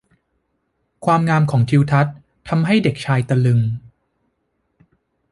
ความงามของทิวทัศน์ทำให้เด็กชายตะลึง